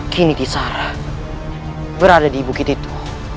kini kisar berada di bukit itu